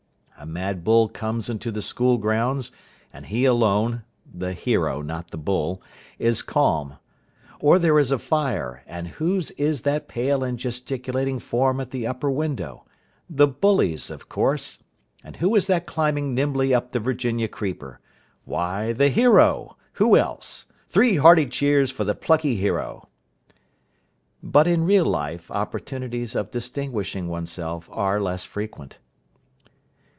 A mad bull comes into the school grounds, and he alone (the hero, not the bull) is calm. Or there is a fire, and whose is that pale and gesticulating form at the upper window? The bully's, of course. And who is that climbing nimbly up the Virginia creeper? Why, the hero. Who else? Three hearty cheers for the plucky hero. But in real life opportunities of distinguishing oneself are less frequent.